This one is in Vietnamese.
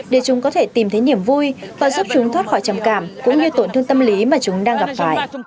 để chúng có thể tìm thấy niềm vui và giúp chúng thoát khỏi trầm cảm cũng như tổn thương tâm lý mà chúng đang gặp phải